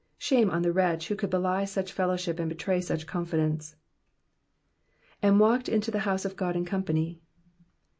Shame on the wretch who could belie such fellowship, and betray such confidence 1 '^And valked unto the home of Ood in cmnpany.'